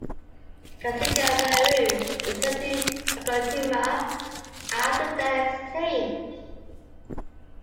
"Kasuga Maru" returned to Kagoshima after that exchange.